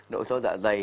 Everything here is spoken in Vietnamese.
nội soi dạ dày